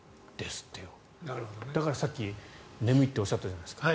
だから、さっき眠いっておっしゃったじゃないですか。